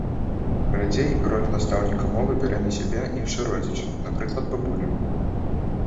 Радзей, ролю настаўніка мовы бярэ на сябе іншы родзіч, напрыклад бабуля.